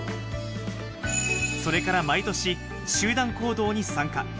それから毎年、集団行動に参加。